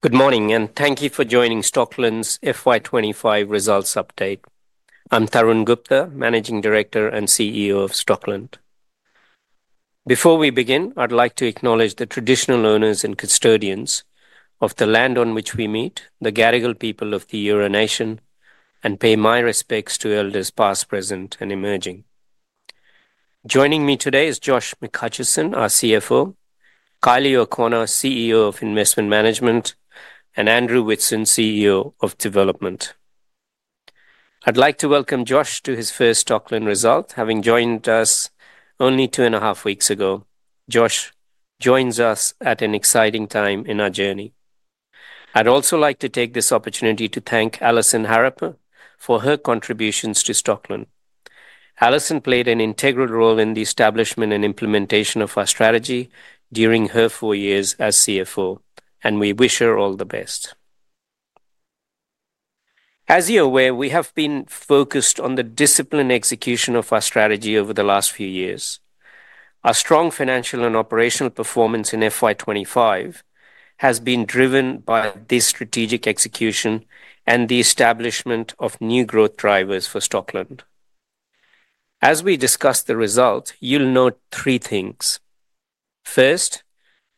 Good morning and thank you for joining Stockland's FY 2025 results update. I'm Tarun Gupta, Managing Director and CEO of Stockland. Before we begin, I'd like to acknowledge the traditional owners and custodians of the land on which we meet, the Gadigal people of the Eora Nation, and pay my respects to elders past, present, and emerging. Joining me today is Josh McHutchison, our CFO, Kylie O'Connor, CEO of Investment Management, and Andrew Whitson, CEO of Development. I'd like to welcome Josh to his first Stockland result, having joined us only two and a half weeks ago. Josh joins us at an exciting time in our journey. I'd also like to take this opportunity to thank Alison Harrop for her contributions to Stockland. Alison played an integral role in the establishment and implementation of our strategy during her four years as CFO, and we wish her all the best. As you're aware, we have been focused on the disciplined execution of our strategy over the last few years. Our strong financial and operational performance in FY 2025 has been driven by this strategic execution and the establishment of new growth drivers for Stockland. As we discuss the result, you'll note three things. First,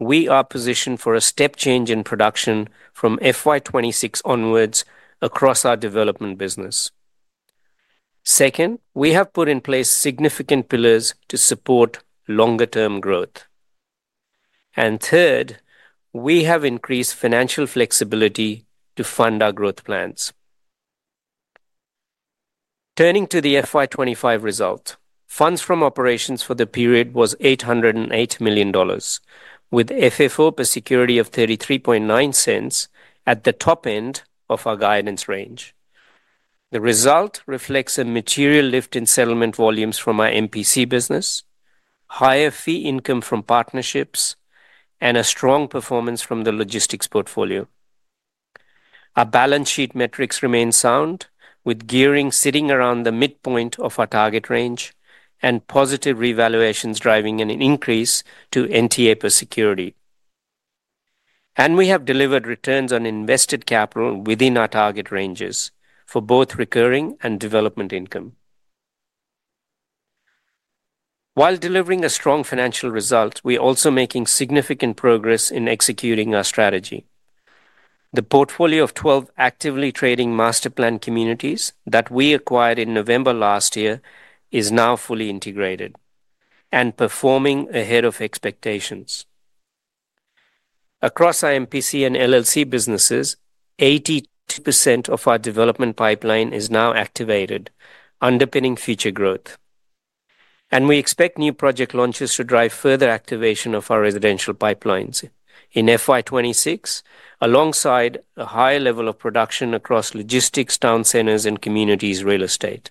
we are positioned for a step change in production from FY 2026 onwards across our development business. Second, we have put in place significant pillars to support longer-term growth. Third, we have increased financial flexibility to fund our growth plans. Turning to the FY 2025 result, funds from operations for the period was $808 million, with FFO per security of $0.339 at the top end of our guidance range. The result reflects a material lift in settlement volumes from our MPC business, higher fee income from partnerships, and a strong performance from the logistics portfolio. Our balance sheet metrics remain sound, with gearing sitting around the midpoint of our target range and positive revaluations driving an increase to NTA per security. We have delivered returns on invested capital within our target ranges for both recurring and development income. While delivering a strong financial result, we're also making significant progress in executing our strategy. The portfolio of 12 actively trading masterplanned communities that we acquired in November last year is now fully integrated and performing ahead of expectations. Across our MPC and LLC businesses, 82% of our development pipeline is now activated, underpinning future growth. We expect new project launches to drive further activation of our residential pipelines in FY 2026, alongside a higher level of production across logistics, town centers, and communities' real estate.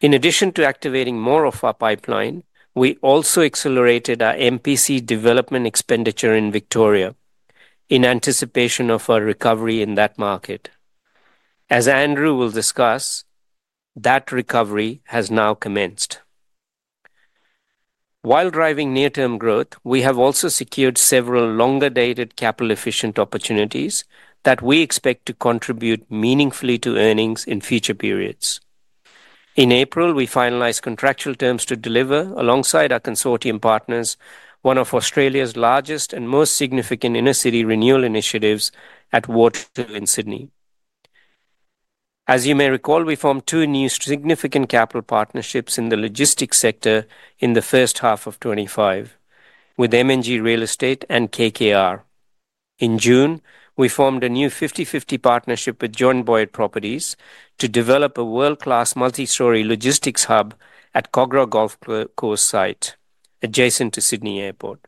In addition to activating more of our pipeline, we also accelerated our masterplanned communities development expenditure in Victoria in anticipation of a recovery in that market. As Andrew will discuss, that recovery has now commenced. While driving near-term growth, we have also secured several longer-dated capital-efficient opportunities that we expect to contribute meaningfully to earnings in future periods. In April, we finalized contractual terms to deliver, alongside our consortium partners, one of Australia's largest and most significant inner-city renewal initiatives at Waterloo in Sydney. As you may recall, we formed two new significant capital partnerships in the logistics sector in the first half of 2025, with M&G Real Estate and KKR. In June, we formed a new 50/50 partnership with John Boyd Properties to develop a world-class multi-story logistics hub at Kogarah Golf Club site, adjacent to Sydney Airport.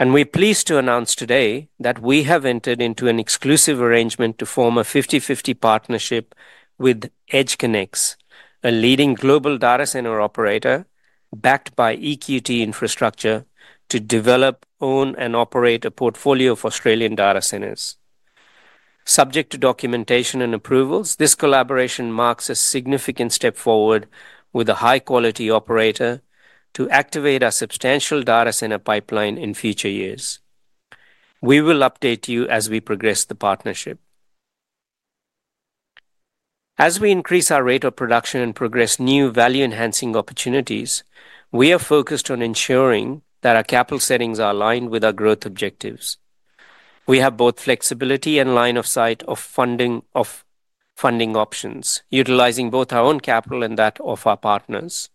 We are pleased to announce today that we have entered into an exclusive arrangement to form a 50/50 partnership with EdgeConneX, a leading global data center operator backed by EQT Infrastructure, to develop, own, and operate a portfolio of Australian data centers. Subject to documentation and approvals, this collaboration marks a significant step forward with a high-quality operator to activate our substantial data center pipeline in future years. We will update you as we progress the partnership. As we increase our rate of production and progress new value-enhancing opportunities, we are focused on ensuring that our capital settings are aligned with our growth objectives. We have both flexibility and line of sight of funding options, utilizing both our own capital and that of our partners.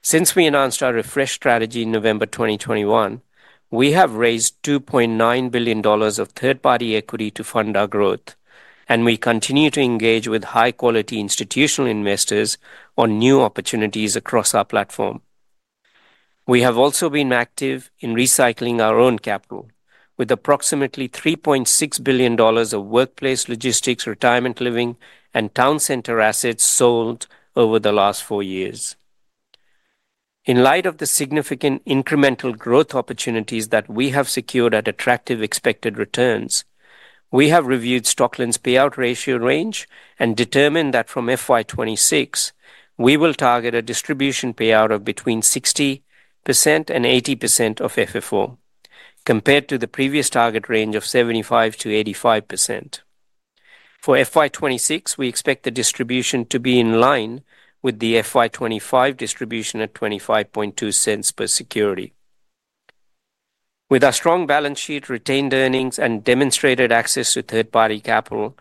Since we announced our refreshed strategy in November 2021, we have raised $2.9 billion of third-party equity to fund our growth, and we continue to engage with high-quality institutional investors on new opportunities across our platform. We have also been active in recycling our own capital, with approximately $3.6 billion of workplace logistics, retirement living, and town center assets sold over the last four years. In light of the significant incremental growth opportunities that we have secured at attractive expected returns, we have reviewed Stockland's payout ratio range and determined that from FY 2026, we will target a distribution payout of between 60% and 80% of FFO, compared to the previous target range of 75%-85%. For FY 2026, we expect the distribution to be in line with the FY 2025 distribution at $0.252 per security. With our strong balance sheet, retained earnings, and demonstrated access to third-party capital,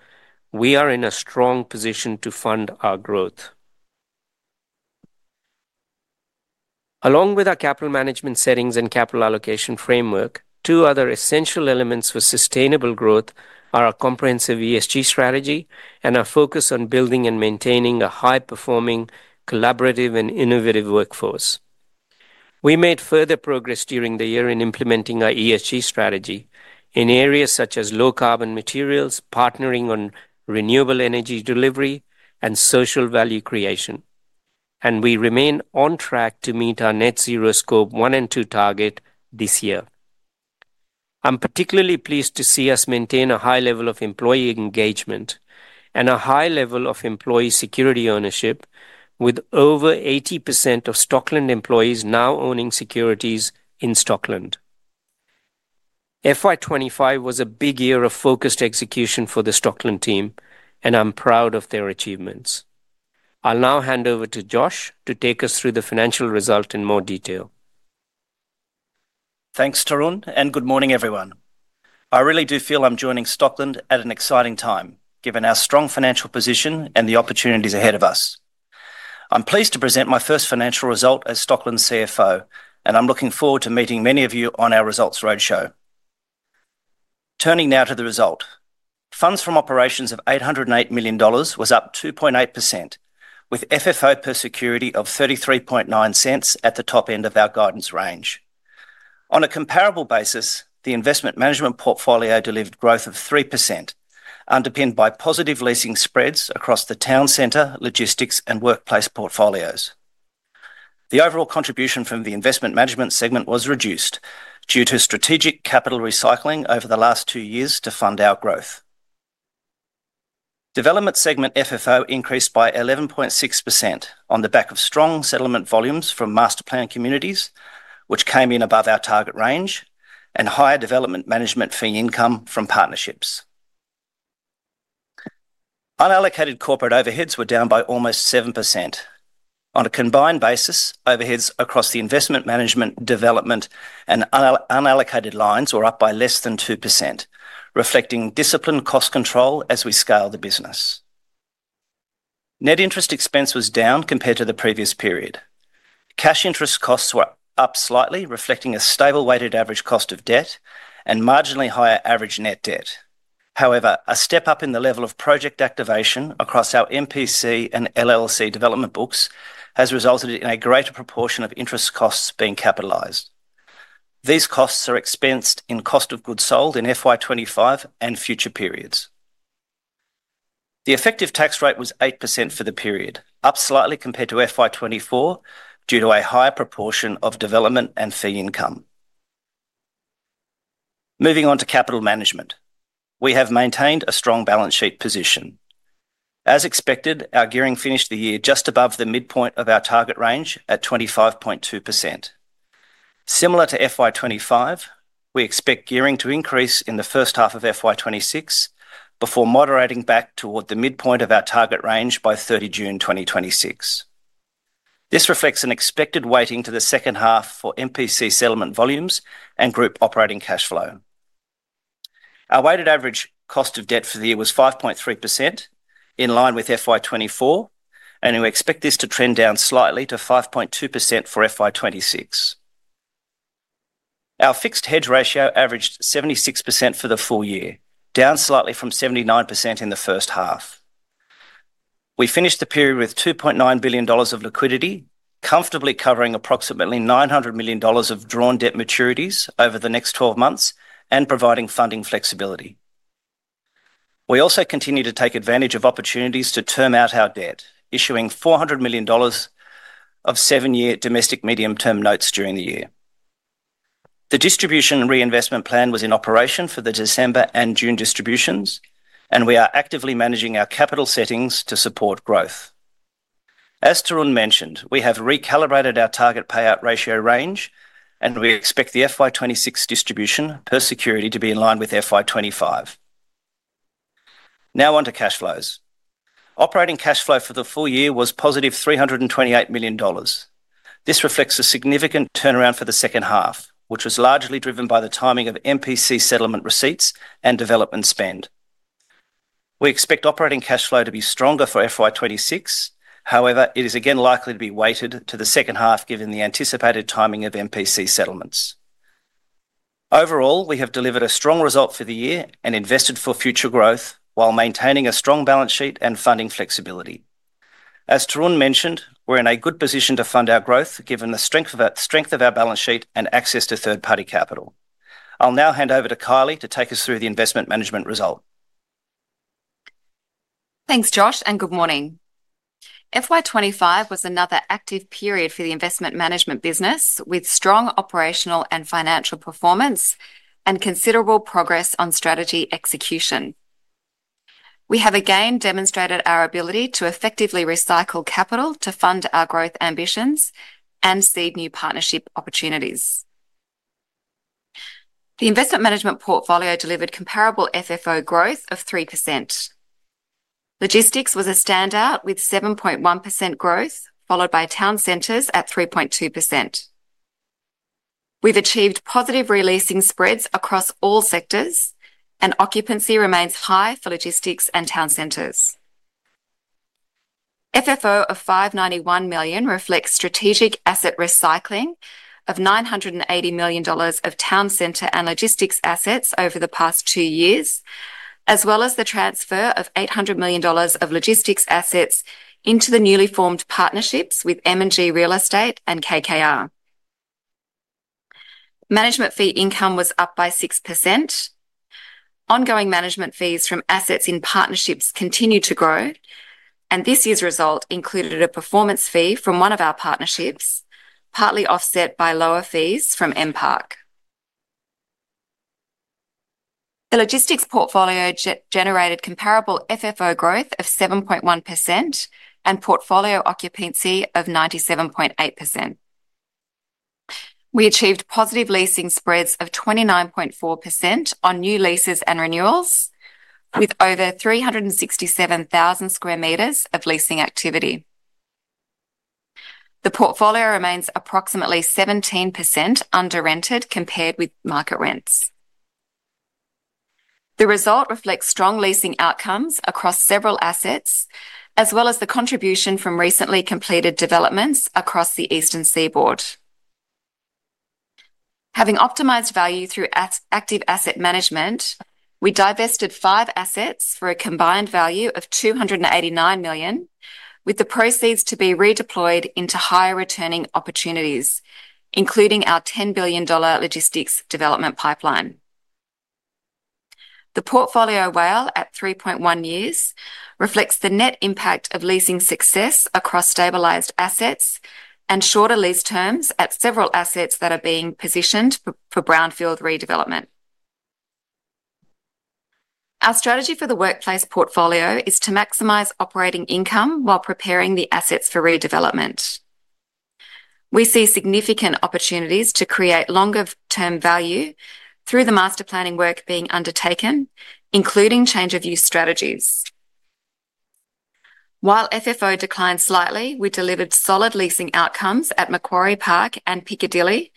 we are in a strong position to fund our growth. Along with our capital management settings and capital allocation framework, two other essential elements for sustainable growth are our comprehensive ESG strategy and our focus on building and maintaining a high-performing, collaborative, and innovative workforce. We made further progress during the year in implementing our ESG strategy in areas such as low-carbon materials, partnering on renewable energy delivery, and social value creation. We remain on track to meet our net zero scope one and two target this year. I'm particularly pleased to see us maintain a high level of employee engagement and a high level of employee security ownership, with over 80% of Stockland employees now owning securities in Stockland. FY 2025 was a big year of focused execution for the Stockland team, and I'm proud of their achievements. I'll now hand over to Josh to take us through the financial result in more detail. Thanks, Tarun, and good morning, everyone. I really do feel I'm joining Stockland at an exciting time, given our strong financial position and the opportunities ahead of us. I'm pleased to present my first financial result as Stockland's CFO, and I'm looking forward to meeting many of you on our results roadshow. Turning now to the result, funds from operations of $808 million was up 2.8%, with FFO per security of $0.339 at the top end of our guidance range. On a comparable basis, the investment management portfolio delivered growth of 3%, underpinned by positive leasing spreads across the town centers, logistics, and workplace portfolios. The overall contribution from the investment management segment was reduced due to strategic capital recycling over the last two years to fund our growth. Development segment FFO increased by 11.6% on the back of strong settlement volumes from masterplanned communities, which came in above our target range, and higher development management fee income from partnerships. Unallocated corporate overheads were down by almost 7%. On a combined basis, overheads across the investment management, development, and unallocated lines were up by less than 2%, reflecting disciplined cost control as we scale the business. Net interest expense was down compared to the previous period. Cash interest costs were up slightly, reflecting a stable weighted average cost of debt and marginally higher average net debt. However, a step up in the level of project activation across our MPC and LLC development books has resulted in a greater proportion of interest costs being capitalized. These costs are expensed in cost of goods sold in FY 2025 and future periods. The effective tax rate was 8% for the period, up slightly compared to FY 2024 due to a higher proportion of development and fee income. Moving on to capital management, we have maintained a strong balance sheet position. As expected, our gearing finished the year just above the midpoint of our target range at 25.2%. Similar to FY 2025, we expect gearing to increase in the first half of FY 2026, before moderating back toward the midpoint of our target range by 30 June 2026. This reflects an expected weighting to the second half for MPC settlement volumes and group operating cash flow. Our weighted average cost of debt for the year was 5.3%, in line with FY 2024, and we expect this to trend down slightly to 5.2% for FY 2026. Our fixed hedge ratio averaged 76% for the full year, down slightly from 79% in the first half. We finished the period with $2.9 billion of liquidity, comfortably covering approximately $900 million of drawn debt maturities over the next 12 months and providing funding flexibility. We also continue to take advantage of opportunities to term out our debt, issuing $400 million of seven-year domestic medium-term notes during the year. The distribution reinvestment plan was in operation for the December and June distributions, and we are actively managing our capital settings to support growth. As Tarun mentioned, we have recalibrated our target payout ratio range, and we expect the FY 2026 distribution per security to be in line with FY 2025. Now on to cash flows. Operating cash flow for the full year was positive $328 million. This reflects a significant turnaround for the second half, which was largely driven by the timing of MPC settlement receipts and development spend. We expect operating cash flow to be stronger for FY 2026; however, it is again likely to be weighted to the second half given the anticipated timing of MPC settlements. Overall, we have delivered a strong result for the year and invested for future growth while maintaining a strong balance sheet and funding flexibility. As Tarun mentioned, we're in a good position to fund our growth given the strength of our balance sheet and access to third-party capital. I'll now hand over to Kylie to take us through the investment management result. Thanks, Josh, and good morning. FY 2025 was another active period for the investment management business, with strong operational and financial performance and considerable progress on strategy execution. We have again demonstrated our ability to effectively recycle capital to fund our growth ambitions and seed new partnership opportunities. The investment management portfolio delivered comparable FFO growth of 3%. Logistics was a standout with 7.1% growth, followed by town centers at 3.2%. We've achieved positive releasing spreads across all sectors, and occupancy remains high for logistics and town centers. FFO of $591 million reflects strategic asset recycling of $980 million of town center and logistics assets over the past two years, as well as the transfer of $800 million of logistics assets into the newly formed partnerships with M&G Real Estate and KKR. Management fee income was up by 6%. Ongoing management fees from assets in partnerships continue to grow, and this year's result included a performance fee from one of our partnerships, partly offset by lower fees from MPark. The logistics portfolio generated comparable FFO growth of 7.1% and portfolio occupancy of 97.8%. We achieved positive leasing spreads of 29.4% on new leases and renewals, with over 367,000 square meters of leasing activity. The portfolio remains approximately 17% under-rented compared with market rents. The result reflects strong leasing outcomes across several assets, as well as the contribution from recently completed developments across the Eastern Seaboard. Having optimized value through active asset management, we divested five assets for a combined value of $289 million, with the proceeds to be redeployed into higher returning opportunities, including our $10 billion logistics development pipeline. The portfolio WALE at 3.1 years reflects the net impact of leasing success across stabilized assets and shorter lease terms at several assets that are being positioned for brownfield redevelopment. Our strategy for the workplace portfolio is to maximize operating income while preparing the assets for redevelopment. We see significant opportunities to create longer-term value through the master planning work being undertaken, including change of use strategies. While FFO declined slightly, we delivered solid leasing outcomes at Macquarie Park and Piccadilly,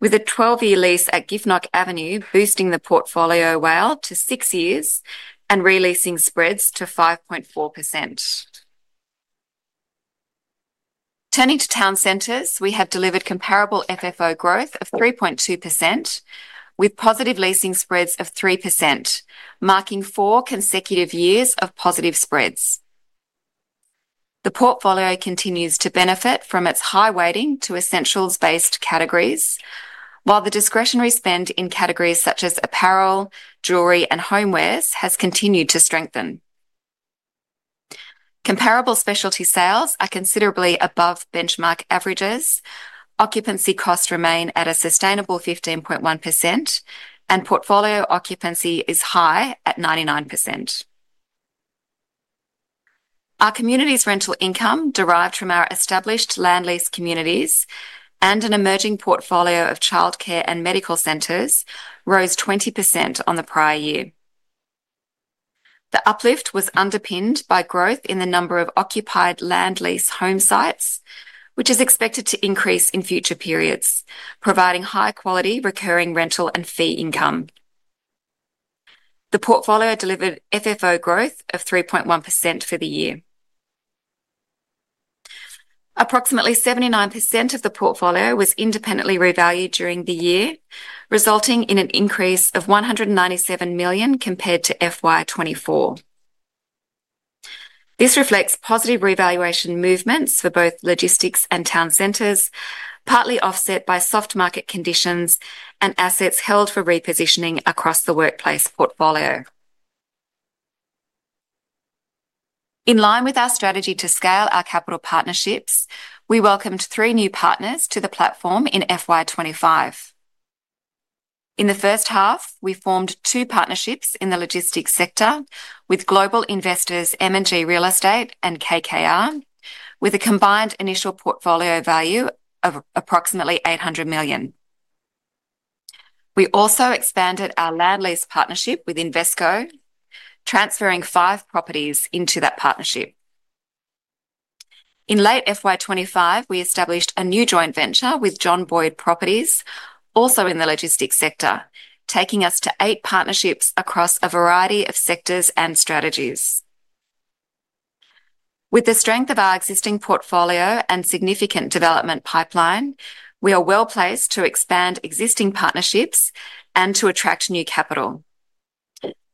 with a 12-year lease at Giffnock Avenue boosting the portfolio WALE to six years and releasing spreads to 5.4%. Turning to town centers, we have delivered comparable FFO growth of 3.2%, with positive leasing spreads of 3%, marking four consecutive years of positive spreads. The portfolio continues to benefit from its high weighting to essentials-based categories, while the discretionary spend in categories such as apparel, jewelry, and homewares has continued to strengthen. Comparable specialty sales are considerably above benchmark averages, occupancy costs remain at a sustainable 15.1%, and portfolio occupancy is high at 99%. Our communities' rental income derived from our established land lease communities and an emerging portfolio of childcare and medical centers rose 20% on the prior year. The uplift was underpinned by growth in the number of occupied land lease home sites, which is expected to increase in future periods, providing high-quality recurring rental and fee income. The portfolio delivered FFO growth of 3.1% for the year. Approximately 79% of the portfolio was independently revalued during the year, resulting in an increase of $197 million compared to FY 2024. This reflects positive revaluation movements for both logistics and town centers, partly offset by soft market conditions and assets held for repositioning across the workplace portfolio. In line with our strategy to scale our capital partnerships, we welcomed three new partners to the platform in FY 2025. In the first half, we formed two partnerships in the logistics sector with global investors M&G Real Estate and KKR, with a combined initial portfolio value of approximately $800 million. We also expanded our land lease partnership with Invesco, transferring five properties into that partnership. In late FY 2025, we established a new joint venture with John Boyd Properties, also in the logistics sector, taking us to eight partnerships across a variety of sectors and strategies. With the strength of our existing portfolio and significant development pipeline, we are well placed to expand existing partnerships and to attract new capital.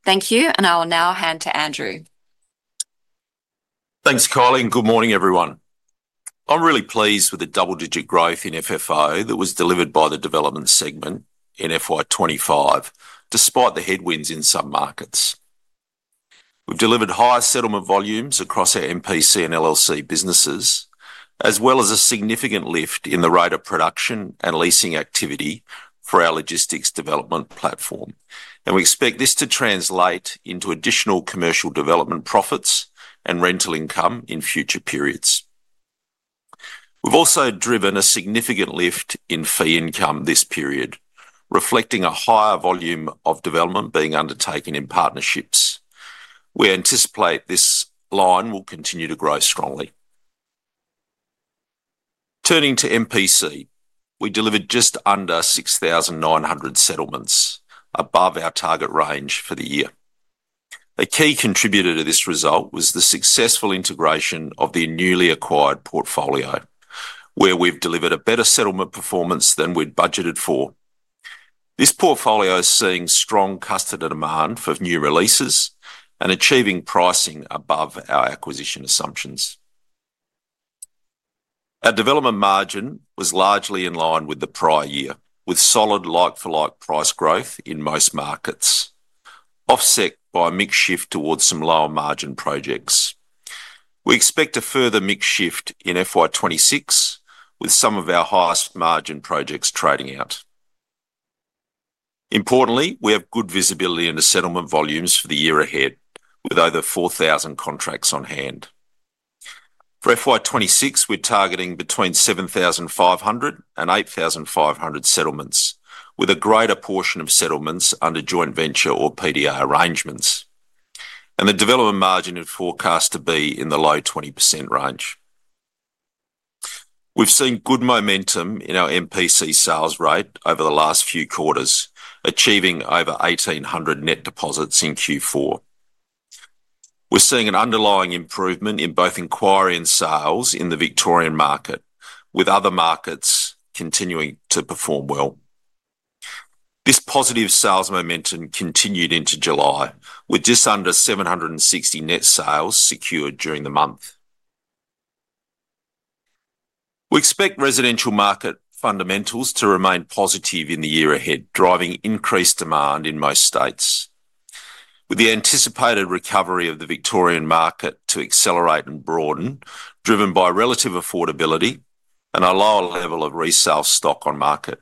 Thank you, and I will now hand to Andrew. Thanks, Kylie. Good morning, everyone. I'm really pleased with the double-digit growth in FFO that was delivered by the development segment in FY 2025, despite the headwinds in some markets. We delivered higher settlement volumes across our MPC and LLC businesses, as well as a significant lift in the rate of production and leasing activity for our logistics development platform. We expect this to translate into additional commercial development profits and rental income in future periods. We've also driven a significant lift in fee income this period, reflecting a higher volume of development being undertaken in partnerships. We anticipate this line will continue to grow strongly. Turning to MPC, we delivered just under 6,900 settlements, above our target range for the year. A key contributor to this result was the successful integration of the newly acquired portfolio, where we've delivered a better settlement performance than we'd budgeted for. This portfolio is seeing strong customer demand for new releases and achieving pricing above our acquisition assumptions. Our development margin was largely in line with the prior year, with solid like-for-like price growth in most markets, offset by a mixed shift towards some lower margin projects. We expect a further mixed shift in FY 2026, with some of our highest margin projects trading out. Importantly, we have good visibility into settlement volumes for the year ahead, with over 4,000 contracts on hand. For FY 2026, we're targeting between 7,500 and 8,500 settlements, with a greater portion of settlements under joint venture or PDI arrangements. The development margin is forecast to be in the low 20% range. We've seen good momentum in our MPC sales rate over the last few quarters, achieving over 1,800 net deposits in Q4. We're seeing an underlying improvement in both inquiry and sales in the Victoria market, with other markets continuing to perform well. This positive sales momentum continued into July, with just under 760 net sales secured during the month. We expect residential market fundamentals to remain positive in the year ahead, driving increased demand in most states, with the anticipated recovery of the Victoria market to accelerate and broaden, driven by relative affordability and a lower level of resale stock on market.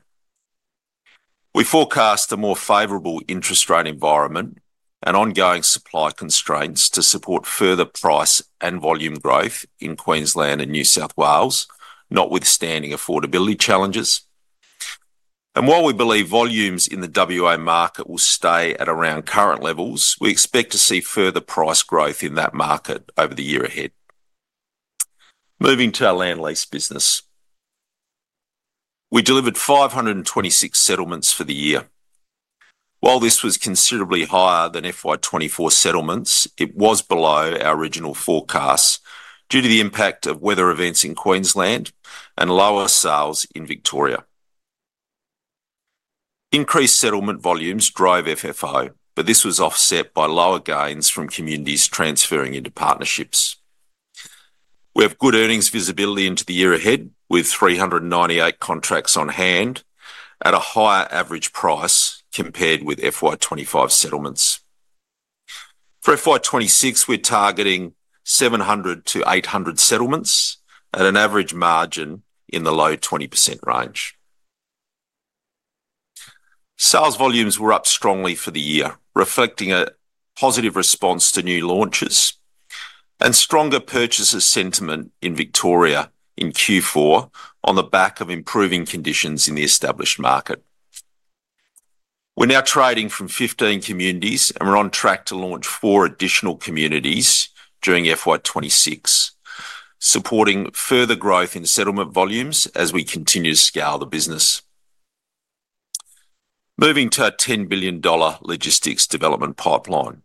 We forecast a more favorable interest rate environment and ongoing supply constraints to support further price and volume growth in Queensland and New South Wales, notwithstanding affordability challenges. While we believe volumes in the WA market will stay at around current levels, we expect to see further price growth in that market over the year ahead. Moving to our land lease business, we delivered 526 settlements for the year. While this was considerably higher than FY 2024 settlements, it was below our original forecast due to the impact of weather events in Queensland and lower sales in Victoria. Increased settlement volumes drove FFO, but this was offset by lower gains from communities transferring into partnerships. We have good earnings visibility into the year ahead, with 398 contracts on hand at a higher average price compared with FY 2025 settlements. For FY 2026, we're targeting 700-800 settlements at an average margin in the low 20% range. Sales volumes were up strongly for the year, reflecting a positive response to new launches and stronger purchaser sentiment in Victoria in Q4 on the back of improving conditions in the established market. We're now trading from 15 communities, and we're on track to launch four additional communities during FY 2026, supporting further growth in settlement volumes as we continue to scale the business. Moving to our $10 billion logistics development pipeline,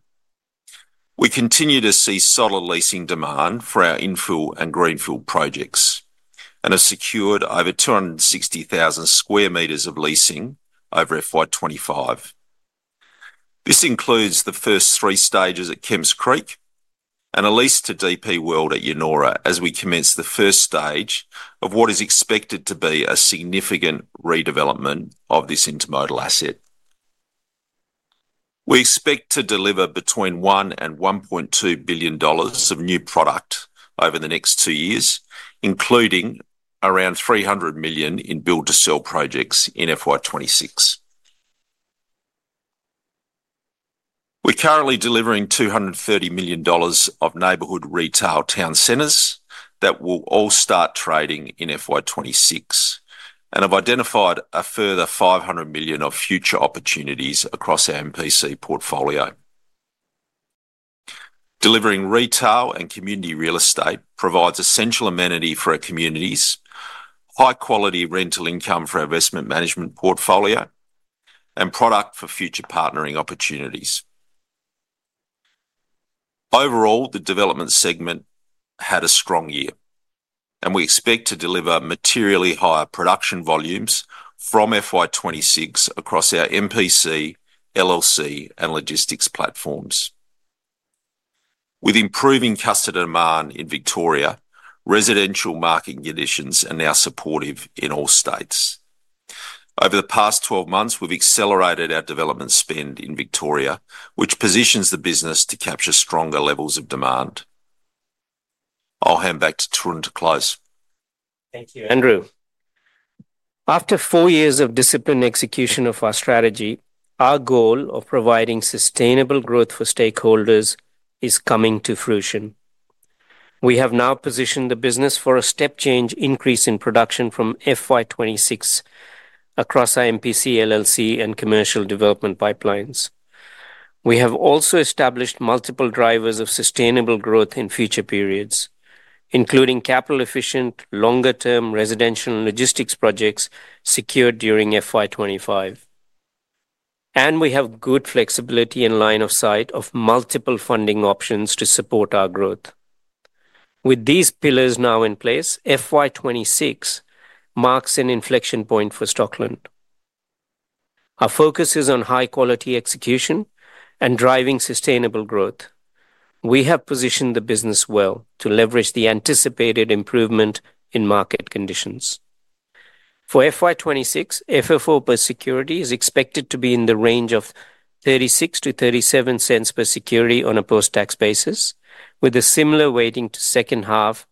we continue to see solid leasing demand for our infill and greenfield projects and have secured over 260,000 sq m of leasing over FY 2025. This includes the first three stages at Kemp's Creek and a lease to DP World at Yennora, as we commence the first stage of what is expected to be a significant redevelopment of this intermodal asset. We expect to deliver between $1 billion and $1.2 billion of new product over the next two years, including around $300 million in build-to-sell projects in FY 2026. We're currently delivering $230 million of neighborhood retail town centers that will all start trading in FY 2026 and have identified a further $500 million of future opportunities across our MPC portfolio. Delivering retail and community real estate provides essential amenity for our communities, high-quality rental income for our investment management portfolio, and product for future partnering opportunities. Overall, the development segment had a strong year, and we expect to deliver materially higher production volumes from FY 2026 across our masterplanned communities, land lease communities, and logistics platforms. With improving customer demand in Victoria, residential market conditions are now supportive in all states. Over the past 12 months, we've accelerated our development spend in Victoria, which positions the business to capture stronger levels of demand. I'll hand back to Tarun to close. Andrew, after four years of disciplined execution of our strategy, our goal of providing sustainable growth for stakeholders is coming to fruition. We have now positioned the business for a step-change increase in production from FY 2026 across our masterplanned communities, land lease communities, and commercial development pipelines. We have also established multiple drivers of sustainable growth in future periods, including capital-efficient, longer-term residential and logistics projects secured during FY 2025. We have good flexibility in line of sight of multiple funding options to support our growth. With these pillars now in place, FY 2026 marks an inflection point for Stockland. Our focus is on high-quality execution and driving sustainable growth. We have positioned the business well to leverage the anticipated improvement in market conditions. For FY 2026, FFO per security is expected to be in the range of $0.36-$0.37 per security on a post-tax basis, with a similar weighting to second half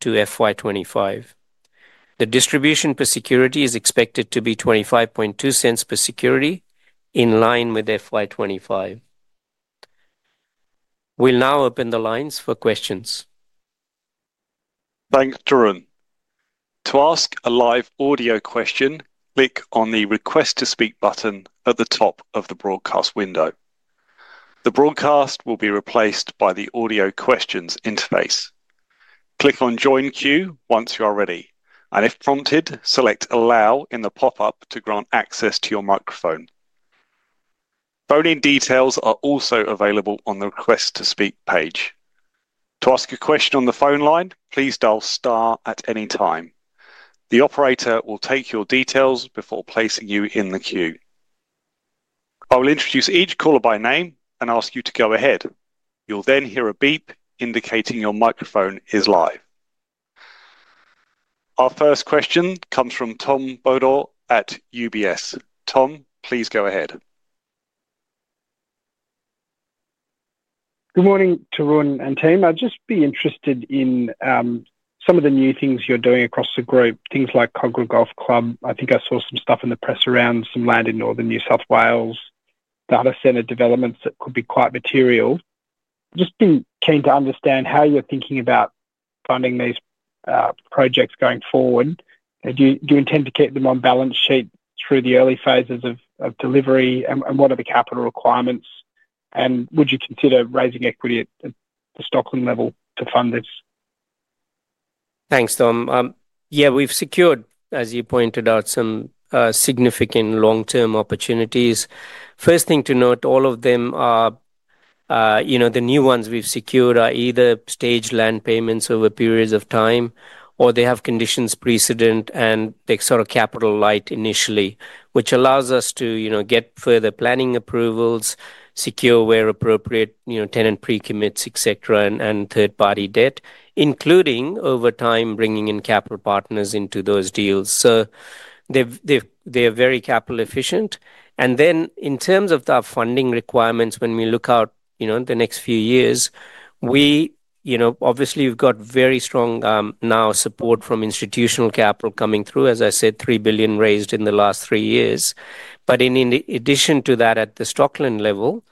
to FY 2025. The distribution per security is expected to be $0.252 per security, in line with FY 2025. We'll now open the lines for questions. Thanks, Tarun. To ask a live audio question, click on the Request to Speak button at the top of the broadcast window. The broadcast will be replaced by the audio questions interface. Click on Join Queue once you are ready, and if prompted, select Allow in the pop-up to grant access to your microphone. Phone-in details are also available on the Request to Speak page. To ask a question on the phone line, please dial Star at any time. The operator will take your details before placing you in the queue. I will introduce each caller by name and ask you to go ahead. You'll then hear a beep indicating your microphone is live. Our first question comes from Tom Bodor at UBS. Tom, please go ahead. Good morning, Tarun and team. I'd just be interested in some of the new things you're doing across the group, things like Kogarah Golf Club. I think I saw some stuff in the press around some land in northern New South Wales, data center developments that could be quite material. I've just been keen to understand how you're thinking about funding these projects going forward. Do you intend to keep them on balance sheet through the early phases of delivery, and what are the capital requirements? Would you consider raising equity at the Stockland level to fund this? Thanks, Tom. Yeah, we've secured, as you pointed out, some significant long-term opportunities. First thing to note, all of them are, you know, the new ones we've secured are either staged land payments over periods of time, or they have conditions precedent and they are sort of capital-light initially, which allows us to, you know, get further planning approvals, secure where appropriate, you know, tenant pre-commits, et cetera, and third-party debt, including over time bringing in capital partners into those deals. They're very capital efficient. In terms of the funding requirements, when we look out, you know, the next few years, we, you know, obviously we've got very strong now support from institutional capital coming through, as I said, $3 billion raised in the last three years. In addition to that, at the Stockland level,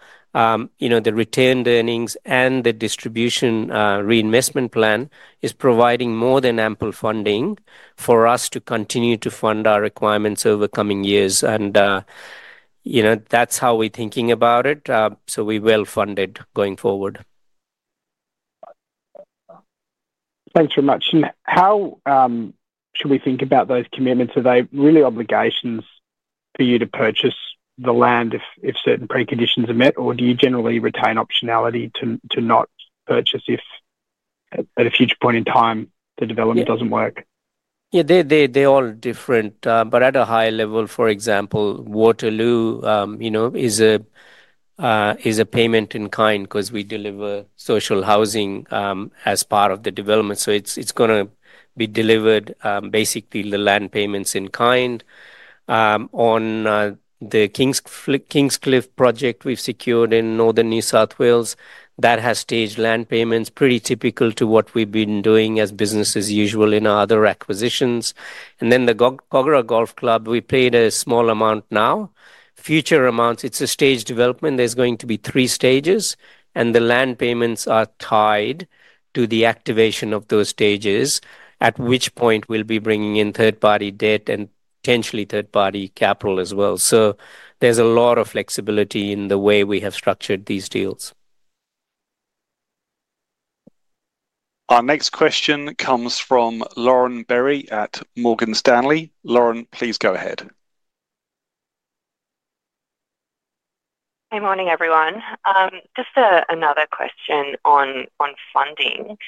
you know, the returned earnings and the distribution reinvestment plan is providing more than ample funding for us to continue to fund our requirements over coming years. That's how we're thinking about it. We're well funded going forward. Thanks so much. How should we think about those commitments? Are they really obligations for you to purchase the land if certain preconditions are met, or do you generally retain optionality to not purchase if at a future point in time the development doesn't work? Yeah, they're all different. At a high level, for example, Waterloo is a payment in kind because we deliver social housing as part of the development. It's going to be delivered basically as the land payments in kind. On the Kingscliff project we've secured in northern New South Wales, that has staged land payments, pretty typical to what we've been doing as business as usual in our other acquisitions. The Kogarah Golf Club, we paid a small amount now. Future amounts, it's a staged development. There are going to be three stages, and the land payments are tied to the activation of those stages, at which point we'll be bringing in third-party debt and potentially third-party capital as well. There's a lot of flexibility in the way we have structured these deals. Our next question comes from Lauren Berry at Morgan Stanley. Lauren, please go ahead. Good morning, everyone. Just another question on funding.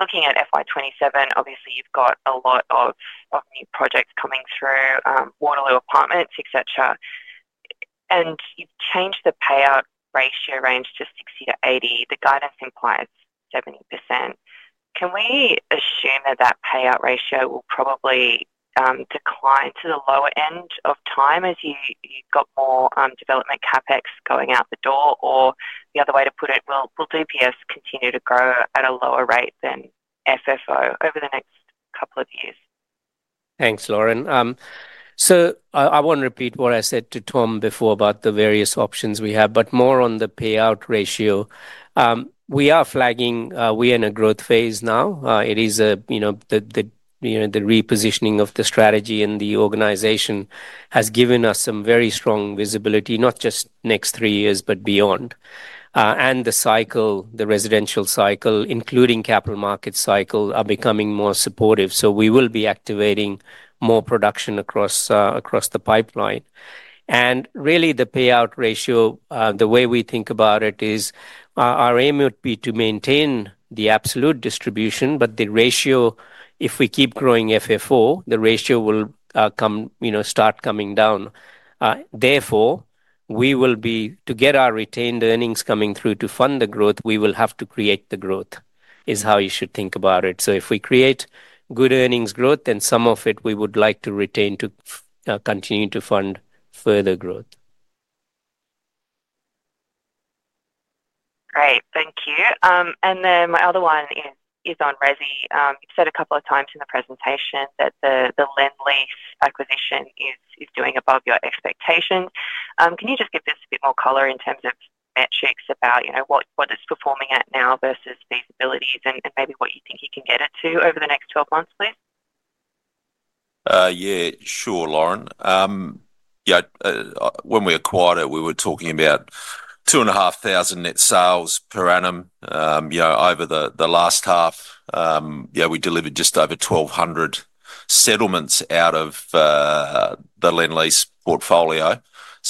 Looking at FY 2027, obviously you've got a lot of new projects coming through, Waterloo Apartments, et cetera. You've changed the payout ratio range to 60%-80%. The guidance implies 70%. Can we assume that that payout ratio will probably decline to the lower end over time as you've got more development CapEx going out the door, or the other way to put it, will DPS continue to grow at a lower rate than FFO over the next couple of years? Thanks, Lauren. I want to repeat what I said to Tom before about the various options we have, more on the payout ratio. We are flagging, we're in a growth phase now. It is a, you know, the repositioning of the strategy and the organization has given us some very strong visibility, not just next three years, but beyond. The cycle, the residential cycle, including capital market cycle, are becoming more supportive. We will be activating more production across the pipeline. Really, the payout ratio, the way we think about it is our aim would be to maintain the absolute distribution, but the ratio, if we keep growing FFO, the ratio will come, you know, start coming down. Therefore, to get our retained earnings coming through to fund the growth, we will have to create the growth, is how you should think about it. If we create good earnings growth, then some of it we would like to retain to continue to fund further growth. Great, thank you. My other one is on [Rezi]. You said a couple of times in the presentation that the land lease acquisition is doing above your expectations. Can you just give this a bit more color in terms of metrics about what it's performing at now versus feasibilities and maybe what you think you can get it to over the next 12 months, please? Yeah, sure, Lauren. When we acquired it, we were talking about 2,500 net sales per annum. Over the last half, we delivered just over 1,200 settlements out of the land lease portfolio.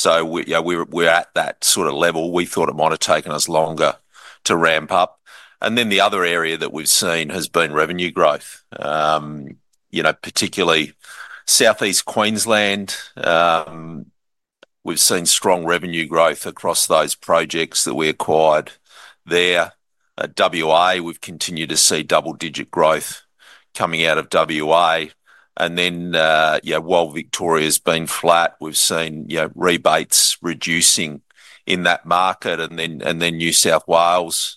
We're at that sort of level. We thought it might have taken us longer to ramp up. The other area that we've seen has been revenue growth, particularly Southeast Queensland. We've seen strong revenue growth across those projects that we acquired there. At WA, we've continued to see double-digit growth coming out of WA. While Victoria's been flat, we've seen rebates reducing in that market. New South Wales is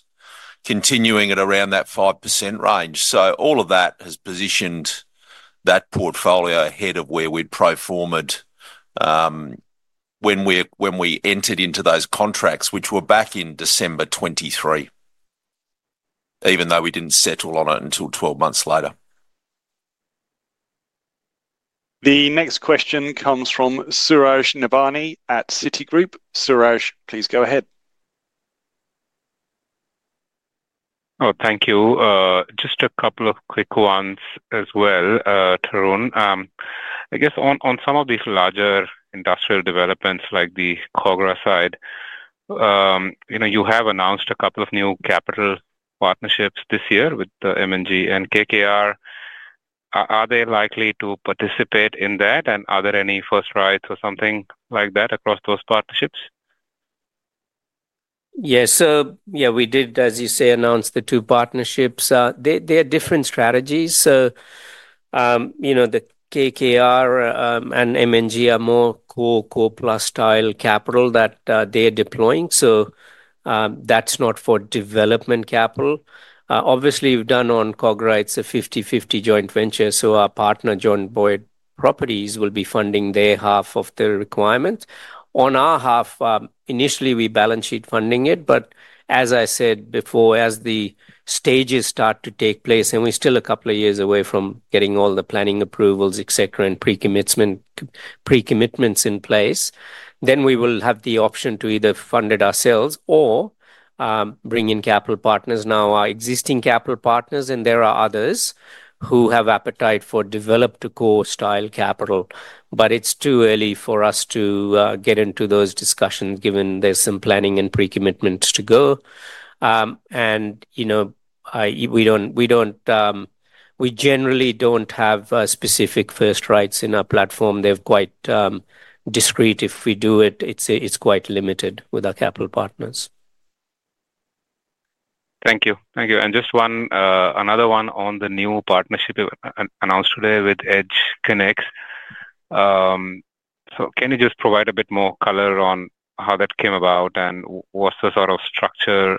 continuing at around that 5% range. All of that has positioned that portfolio ahead of where we proformed when we entered into those contracts, which were back in December 2023, even though we didn't settle on it until 12 months later. The next question comes from Suraj Nebhani at Citigroup. Suresh, please go ahead. Oh, thank you. Just a couple of quick ones as well, Tarun. I guess on some of these larger industrial developments like the Kogarah site, you know, you have announced a couple of new capital partnerships this year with M&G and KKR. Are they likely to participate in that, and are there any first rights or something like that across those partnerships? Yes, yeah, we did, as you say, announce the two partnerships. They're different strategies. The KKR and M&G are more core plus style capital that they're deploying. That's not for development capital. Obviously, we've done on Kogarah, it's a 50/50 joint venture. Our partner, John Boyd Properties, will be funding their half of the requirements. On our half, initially, we are balance sheet funding it. As I said before, as the stages start to take place, and we're still a couple of years away from getting all the planning approvals, etc., and pre-commitments in place, we will have the option to either fund it ourselves or bring in capital partners. Our existing capital partners, and there are others who have appetite for develop to core style capital, but it's too early for us to get into those discussions given there's some planning and pre-commitments to go. We don't, we generally don't have specific first rights in our platform. They're quite discreet if we do it. It's quite limited with our capital partners. Thank you. Thank you. Just one, another one on the new partnership announced today with EdgeConneX. Can you just provide a bit more color on how that came about and what's the sort of structure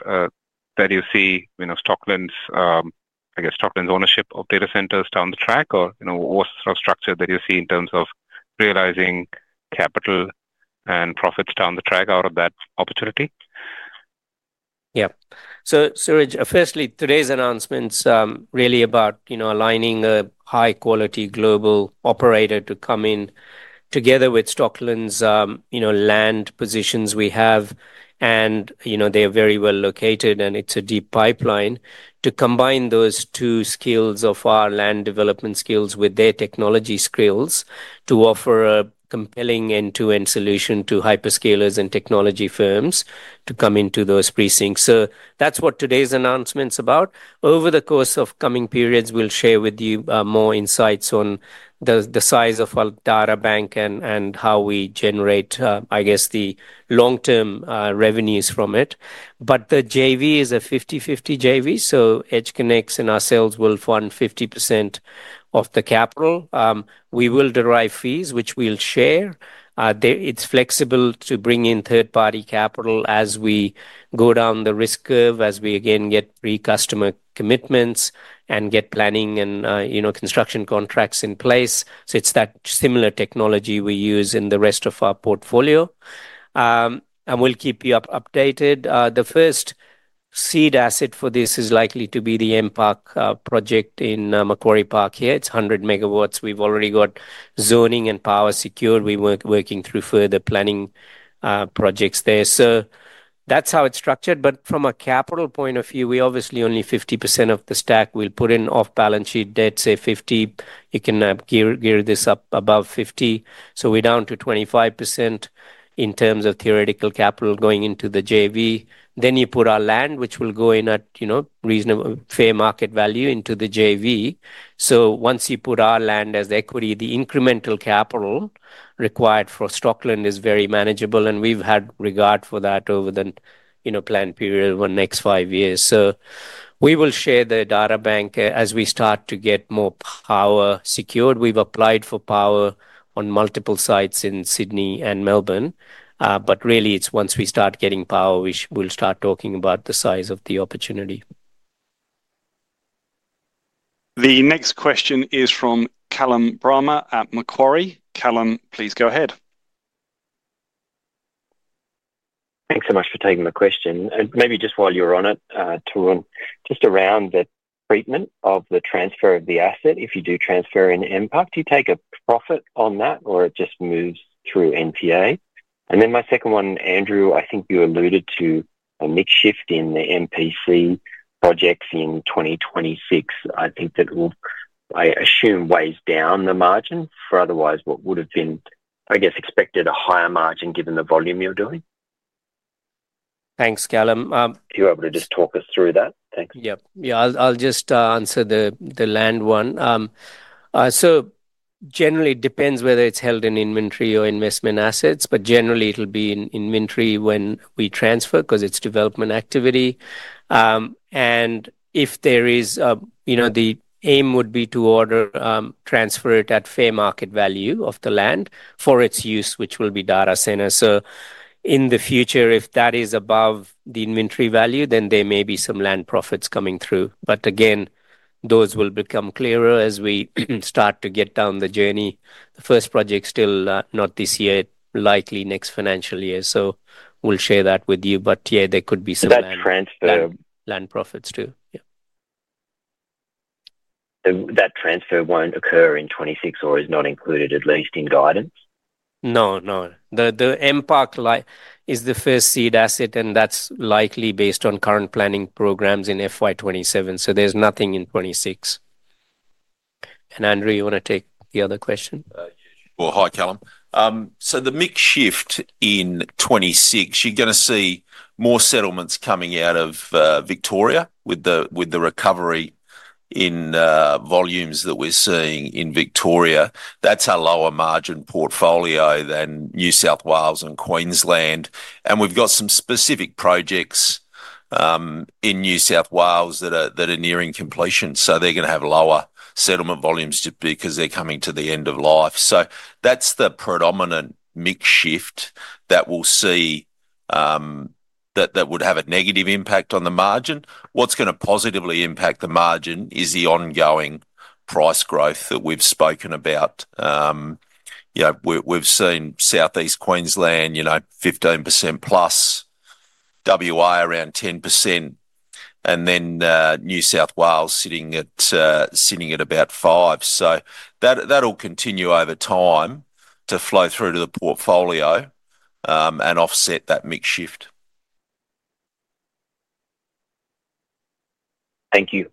that you see, you know, Stockland's, I guess, Stockland's ownership of data centers down the track, or what's the sort of structure that you see in terms of realizing capital and profits down the track out of that opportunity? Yeah. Suraj, today's announcement is really about aligning a high-quality global operator to come in together with Stockland's land positions we have. They're very well located, and it's a deep pipeline to combine those two skills of our land development skills with their technology skills to offer a compelling end-to-end solution to hyperscalers and technology firms to come into those precincts. That's what today's announcement is about. Over the course of coming periods, we'll share with you more insights on the size of [all data bank] and how we generate, I guess, the long-term revenues from it. The JV is a 50/50 JV. EdgeConneX and ourselves will fund 50% of the capital. We will derive fees, which we'll share. It's flexible to bring in third-party capital as we go down the risk curve, as we get pre-customer commitments and get planning and construction contracts in place. It's that similar technology we use in the rest of our portfolio. We'll keep you updated. The first seed asset for this is likely to be the MPark project in Macquarie Park here. It's 100 MW. We've already got zoning and power secured. We're working through further planning projects there. That's how it's structured. From a capital point of view, we obviously only 50% of the stack. We'll put in off balance sheet debt, say 50. You can gear this up above 50. We're down to 25% in terms of theoretical capital going into the JV. Then you put our land, which will go in at reasonable fair market value into the JV. Once you put our land as equity, the incremental capital required for Stockland is very manageable, and we've had regard for that over the planned period of the next five years. We will share the data bank as we start to get more power secured. We've applied for power on multiple sites in Sydney and Melbourne. Really, it's once we start getting power, we'll start talking about the size of the opportunity. The next question is from Callum Bramah at Macquarie. Callum, please go ahead. Thanks so much for taking the question. Maybe just while you're on it, Tarun, just around the treatment of the transfer of the asset. If you do transfer in MPark, do you take a profit on that, or it just moves through NPA? My second one, Andrew, I think you alluded to a mixed shift in the MPC projects in 2026. I think that it will, I assume, weigh down the margin for otherwise what would have been, I guess, expected a higher margin given the volume you're doing. Thanks, Callum. If you're able to just talk us through that, thanks. Yeah, I'll just answer the land one. Generally, it depends whether it's held in inventory or investment assets, but generally, it'll be in inventory when we transfer because it's development activity. If there is, you know, the aim would be to transfer it at fair market value of the land for its use, which will be data center. In the future, if that is above the inventory value, then there may be some land profits coming through. Those will become clearer as we start to get down the journey. The first project's still not this year, likely next financial year. We'll share that with you. There could be some land transfer land profits too. That transfer won't occur in 2026 or is not included at least in guidance? No, no. The MPark is the first seed asset, and that's likely based on current planning programs in FY 2027. There's nothing in 2026. Andrew, you want to take the other question? Hi, Callum. The mixed shift in 2026, you're going to see more settlements coming out of Victoria with the recovery in volumes that we're seeing in Victoria. That's a lower margin portfolio than New South Wales and Queensland. We've got some specific projects in New South Wales that are nearing completion, so they're going to have lower settlement volumes just because they're coming to the end of life. That's the predominant mixed shift that we'll see that would have a negative impact on the margin. What's going to positively impact the margin is the ongoing price growth that we've spoken about. We've seen Southeast Queensland, 15%+, WA around 10%, and then New South Wales sitting at about 5%. That'll continue over time to flow through to the portfolio and offset that mixed shift. Thank you.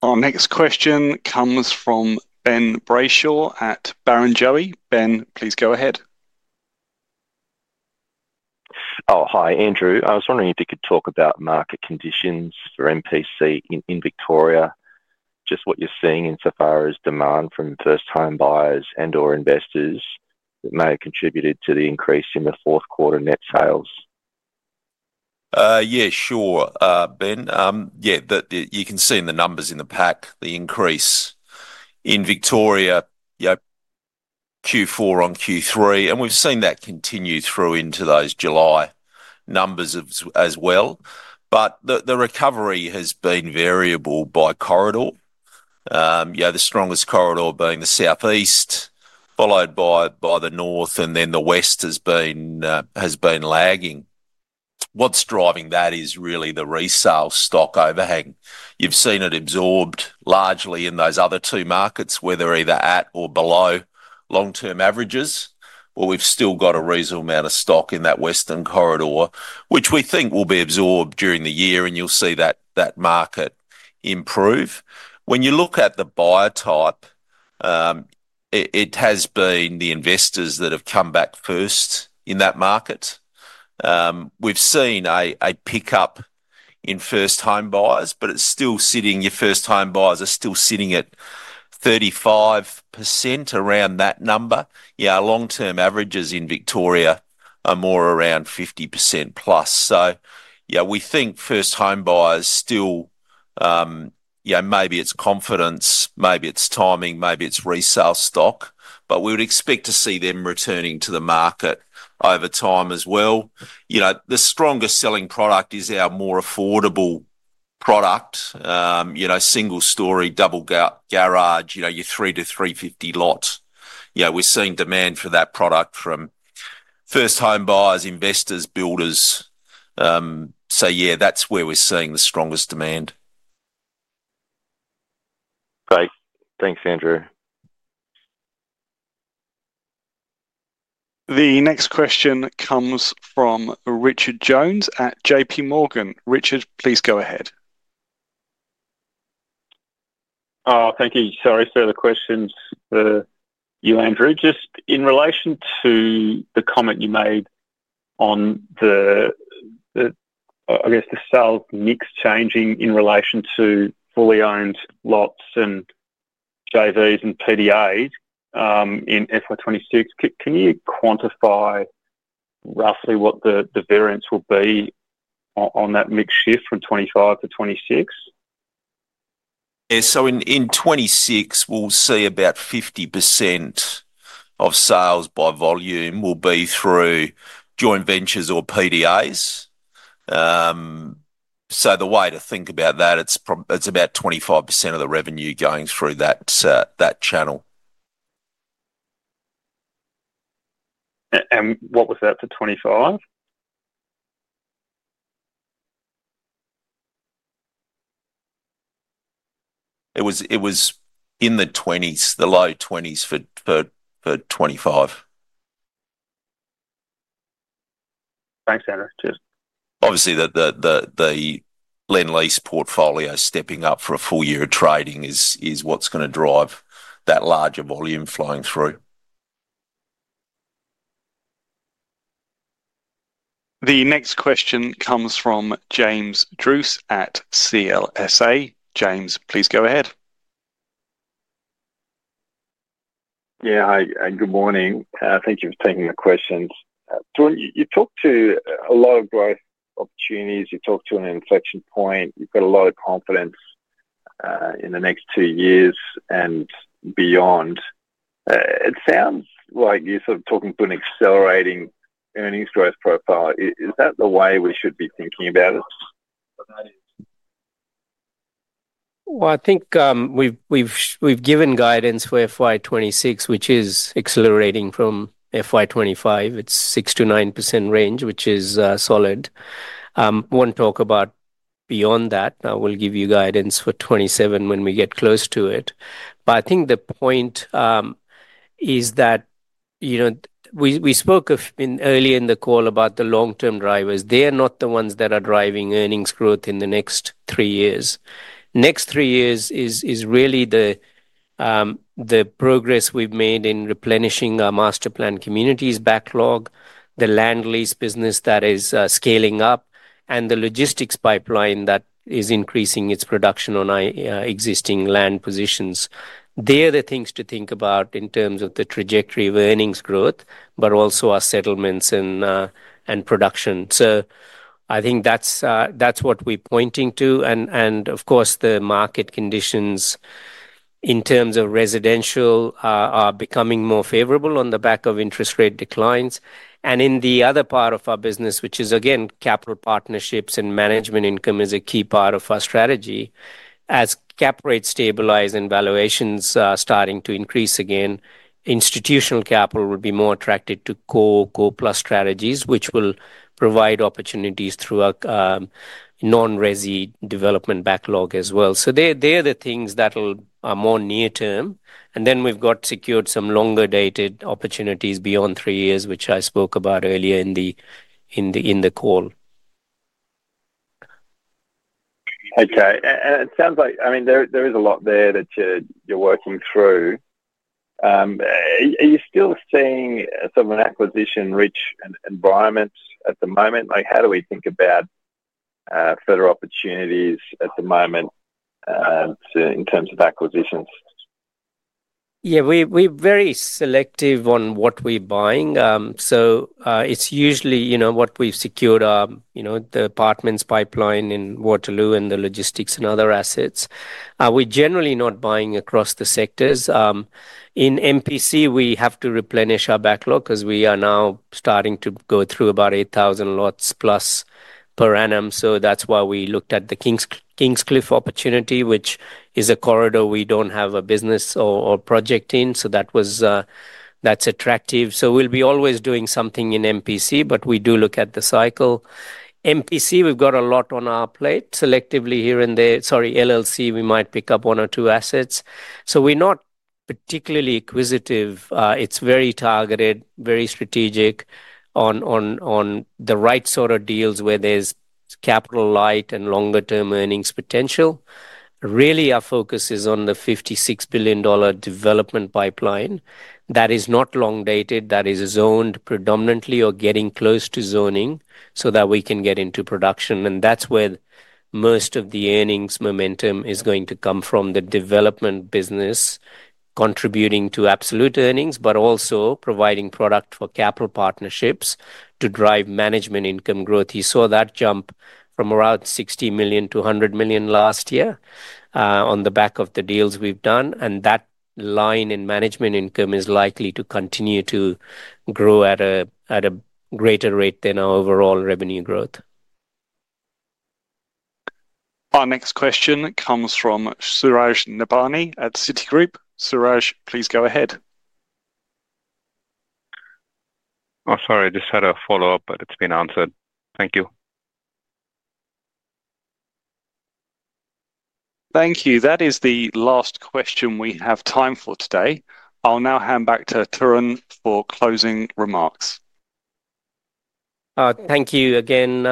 Our next question comes from Ben Brayshaw at Barrenjoey. Ben, please go ahead. Hi, Andrew. I was wondering if you could talk about market conditions for MPC in Victoria, just what you're seeing insofar as demand from first-time buyers and/or investors that may have contributed to the increase in the fourth quarter net sales? Yeah, sure, Ben. You can see in the numbers in the pack the increase in Victoria, Q4 on Q3, and we've seen that continue through into those July numbers as well. The recovery has been variable by corridor. The strongest corridor is the southeast, followed by the north, and the west has been lagging. What's driving that is really the resale stock overhang. You've seen it absorbed largely in those other two markets, either at or below long-term averages, but we've still got a reasonable amount of stock in that western corridor, which we think will be absorbed during the year, and you'll see that market improve. When you look at the buyer type, it has been the investors that have come back first in that market. We've seen a pickup in first-time buyers, but it's still sitting, your first-time buyers are still sitting at 35% around that number. Our long-term averages in Victoria are more around 50%+. We think first-time buyers still, maybe it's confidence, maybe it's timing, maybe it's resale stock, but we would expect to see them returning to the market over time as well. The stronger selling product is our more affordable product, single-story, double garage, your 3 to 350 lot. We're seeing demand for that product from first-time buyers, investors, builders. That's where we're seeing the strongest demand. Okay, thanks, Andrew. The next question comes from Richard Jones at JPMorgan. Richard, please go ahead. Thank you. Sorry for the question, Andrew. Just in relation to the comment you made on the sales mix changing in relation to fully owned lots and JVs and PDAs in FY 2026, can you quantify roughly what the variance will be on that mix shift from 2025 to 2026? In 2026, we'll see about 50% of sales by volume will be through joint ventures or PDAs. The way to think about that, it's about 25% of the revenue going through that channel. What was that for 2025? It was in the 20s, the low 20s for 2025. Thanks, Andrew. Obviously, the land lease portfolio stepping up for a full year of trading is what's going to drive that larger volume flowing through. The next question comes from James Druce at CLSA. James, please go ahead. Yeah, hi, and good morning. Thank you for taking the questions. Tarun, you talked to a lot of growth opportunities. You talked to an inflection point. You've got a lot of confidence in the next two years and beyond. It sounds like you're sort of talking to an accelerating earnings growth profile. Is that the way we should be thinking about it? I think we've given guidance for FY 2026, which is accelerating from FY 2025. It's 6%-9% range, which is solid. I won't talk about beyond that. I will give you guidance for 2027 when we get close to it. I think the point is that, you know, we spoke of earlier in the call about the long-term drivers. They're not the ones that are driving earnings growth in the next three years. Next three years is really the progress we've made in replenishing our masterplanned communities backlog, the land lease business that is scaling up, and the logistics pipeline that is increasing its production on existing land positions. They're the things to think about in terms of the trajectory of earnings growth, but also our settlements and production. I think that's what we're pointing to. Of course, the market conditions in terms of residential are becoming more favorable on the back of interest rate declines. In the other part of our business, which is again, capital partnerships and management income is a key part of our strategy. As cap rates stabilize and valuations are starting to increase again, institutional capital will be more attracted to core plus strategies, which will provide opportunities through a non-Resi development backlog as well. They're the things that are more near term. We've got secured some longer-dated opportunities beyond three years, which I spoke about earlier in the call. Thanks, Tarun. It sounds like there is a lot there that you're working through. Are you still seeing sort of an acquisition-rich environment at the moment? How do we think about further opportunities at the moment in terms of acquisitions? Yeah, we're very selective on what we're buying. It's usually what we've secured, the apartments pipeline in Waterloo and the logistics and other assets. We're generally not buying across the sectors. In MPC, we have to replenish our backlog because we are now starting to go through about 8,000 lots plus per annum. That's why we looked at the Kingscliff opportunity, which is a corridor we don't have a business or project in. That was attractive. We'll be always doing something in MPC, but we do look at the cycle. MPC, we've got a lot on our plate. Selectively here and there, LLC, we might pick up one or two assets. We're not particularly acquisitive. It's very targeted, very strategic on the right sort of deals where there's capital-light and longer-term earnings potential. Really, our focus is on the $56 billion development pipeline that is not long dated, that is zoned predominantly or getting close to zoning so that we can get into production. That's where most of the earnings momentum is going to come from, the development business contributing to absolute earnings, but also providing product for capital partnerships to drive management income growth. You saw that jump from around $60 million to $100 million last year on the back of the deals we've done. That line in management income is likely to continue to grow at a greater rate than our overall revenue growth. Our next question comes from Suraj Nebhani at Citigroup. Suresh, please go ahead. Oh, sorry, I just had a follow-up, but it's been answered. Thank you. Thank you. That is the last question we have time for today. I'll now hand back to Tarun for closing remarks. Thank you again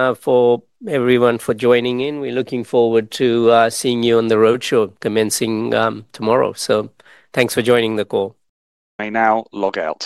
everyone for joining in. We're looking forward to seeing you on the roadshow commencing tomorrow. Thanks for joining the call. I now log out.